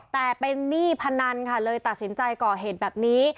แต่เป็นหนี้พนันค่ะเลยตัดสินใจก่อเหตุแบบนี้